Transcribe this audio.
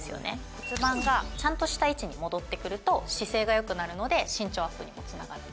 「骨盤がちゃんとした位置に戻ってくると姿勢が良くなるので身長アップにもつながって」